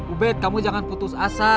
oh bet kamu jangan putus asa